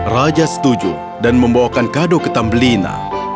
raja setuju dan membawakan kado ke tambelina